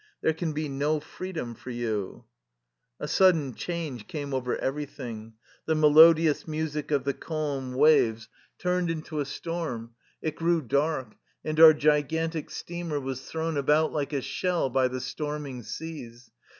There can be no freedom for you !'' A sudden change came over everything. The melodious music of the calm waves turned into a 250 THE LIFE STOEY OF A RUSSIAN EXILE storm, it grew dark, and our gigantic steamer was thrown about like a shell by the storming seas.